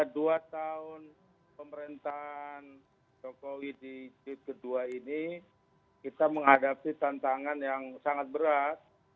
dua tahun pemerintahan jokowi di jid kedua ini kita menghadapi tantangan yang sangat berat